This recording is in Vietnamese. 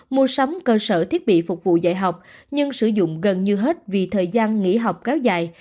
mua sắm cơ sở thiết bị phục vụ dạy học nhưng sử dụng gần như hết vì thời gian nghỉ học kéo dài